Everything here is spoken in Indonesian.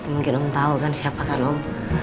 mungkin om tau kan siapa kan om